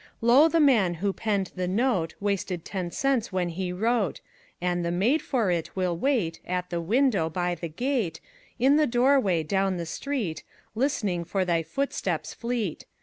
Lo, the man who penned the note Wasted ten cents when he wrote; And the maid for it will wait At the window, by the gate, In the doorway, down the street, List'ning for thy footsteps fleet.